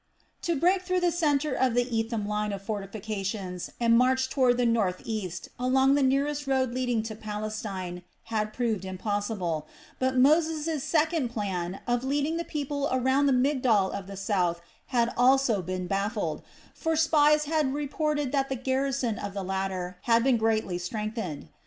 To break through the center of the Etham line of fortifications and march toward the north east along the nearest road leading to Palestine had proved impossible; but Moses' second plan of leading the people around the Migdol of the South had also been baffled; for spies had reported that the garrison of the latter had been greatly strengthened.